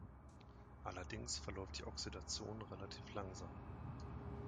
Allerdings verläuft die Oxidation relativ langsam.